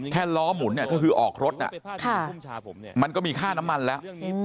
ล้อหมุนก็คือออกรถมันก็มีค่าน้ำมันแล้ว